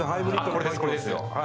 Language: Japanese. これです